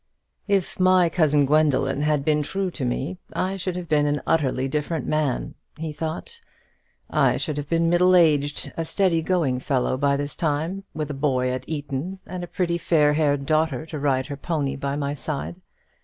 "If my cousin Gwendoline had been true to me, I should have been an utterly different man," he thought; "I should have been a middle aged steady going fellow by this time, with a boy at Eton, and a pretty fair haired daughter to ride her pony by my side.